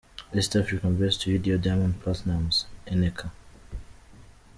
East Africa Best Video Diamond Platnumz – Eneka.